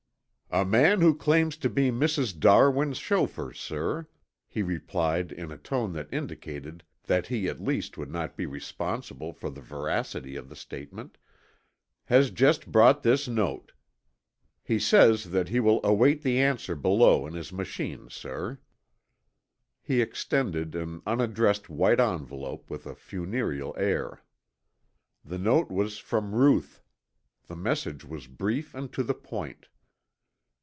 "A man who claims to be Mrs. Darwin's chauffeur, sir," he replied in a tone that indicated that he at least would not be responsible for the veracity of the statement, "has just brought this note. He says that he will await the answer below in his machine, sir." He extended an unaddressed white envelope with a funereal air. The note was from Ruth. The message was brief and to the point.